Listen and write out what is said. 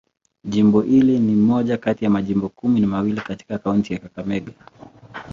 Jimbo hili ni moja kati ya majimbo kumi na mawili katika kaunti ya Kakamega.